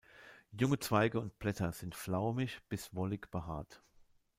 Junge Zweige und Blätter sind flaumig bis wollig behaart.